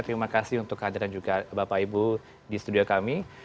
terima kasih untuk kehadiran juga bapak ibu di studio kami